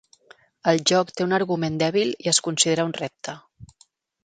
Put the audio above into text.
El joc té un argument dèbil i es considera un repte.